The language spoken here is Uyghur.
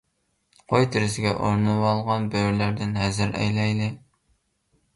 قوي تېرىسىگە ئورىنىۋالغان بۆرىلەردىن ھەزەر ئەيلەيلى.